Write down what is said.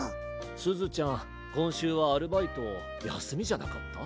すずちゃんこんしゅうはアルバイトやすみじゃなかった？